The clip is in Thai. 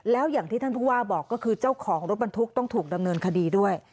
แล้วอย่างที่ท่านผู้ว่าบอกก็คือเจ้าของรถบรรทุกต้องถูกดำเนินคดีด้วย